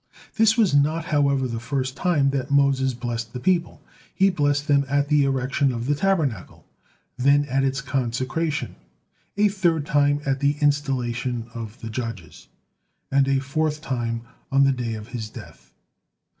This was not, however, the first time that Moses blessed the people. He blessed them at the erection of the Tabernacle, then at its consecration, a third time at the installation of the judges, and a fourth time on the day of his death.